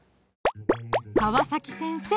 川先生